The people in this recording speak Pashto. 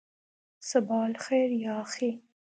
صباح الخیر یا اخی.